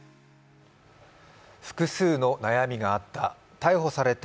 複数の悩みがあった。